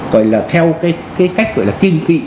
coi là theo cái cách gọi là kiên kị